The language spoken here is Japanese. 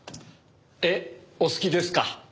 絵お好きですか？